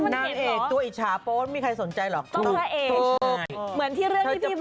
น่าเอกตัวอิจฉาโป๊ศมีใครสนใจเหรอ